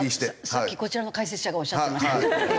さっきこちらの解説者がおっしゃってました。